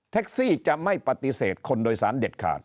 ซี่จะไม่ปฏิเสธคนโดยสารเด็ดขาด